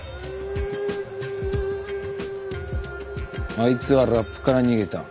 あいつはラップから逃げた。